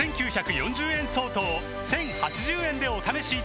５９４０円相当を１０８０円でお試しいただけます